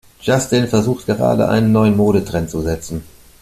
Justin versucht gerade, einen neuen Modetrend zu setzen.